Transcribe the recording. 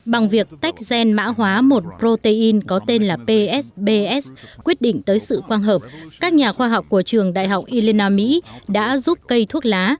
bằng việc tách gen mã hóa một protein có tên là psbs quyết định tới sự quang hợp các nhà khoa học của trường đại học elina mỹ đã giúp cây thuốc lá